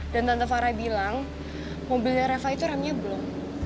dan tante farah bilang mobilnya reva itu remnya belum